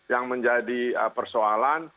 yang menjadi persoalan